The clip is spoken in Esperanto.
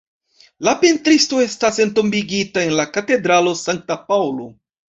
La pentristo estas entombigita en la katedralo Sankta Paŭlo.